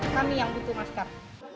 kami yang butuh masker